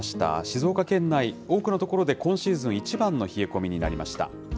静岡県内、多くの所で今シーズン一番の冷え込みになりました。